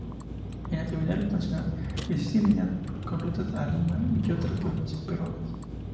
En la terminal nacional, existen líneas con rutas a Lima y otras provincias peruanas.